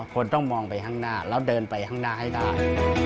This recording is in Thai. คนต้องมองไปข้างหน้าแล้วเดินไปข้างหน้าให้ได้